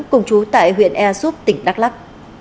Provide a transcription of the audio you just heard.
cùng chú tại huyện ea xúc tỉnh đắk lắc